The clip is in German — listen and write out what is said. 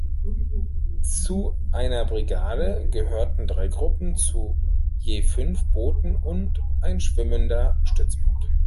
Zu einer Brigade gehörten drei Gruppen zu je fünf Booten und ein schwimmender Stützpunkt.